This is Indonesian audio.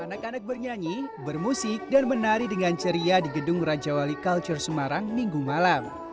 anak anak bernyanyi bermusik dan menari dengan ceria di gedung raja wali culture semarang minggu malam